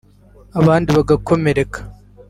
abandi bagakomereka